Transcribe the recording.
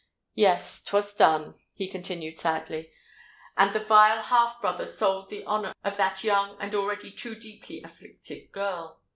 "Yes—'twas done," he continued sadly; "and the vile half brother sold the honour of that young and already too deeply afflicted girl.